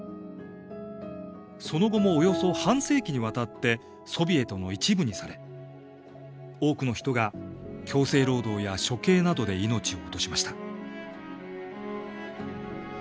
その後もおよそ半世紀にわたってソビエトの一部にされ多くの人が強制労働や処刑などで命を落としました。